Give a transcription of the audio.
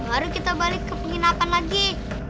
baru kita balik ke penginapan lagi